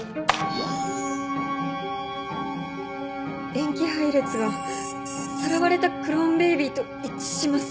塩基配列がさらわれたクローンベイビーと一致します。